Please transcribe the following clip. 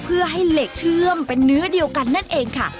เพื่อให้เหล็กเชื่อมเป็นเนื้อเดียวกันนั่นเองค่ะ